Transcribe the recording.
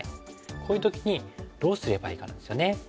こういう時にどうすればいいかなんですよね。